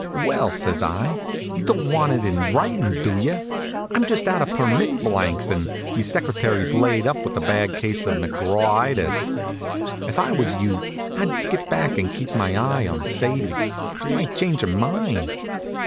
"Well," says I, "you don't want it in writin', do you? I'm just out of permit blanks, and me secretary's laid up with a bad case of McGrawitis. If I was you, I'd skip back and keep my eye on Sadie. She might change her mind."